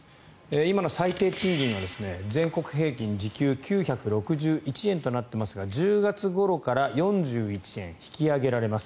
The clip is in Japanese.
今の最低賃金が、全国平均時給９６１円となっていますが１０月ごろから４１円引き上げられます。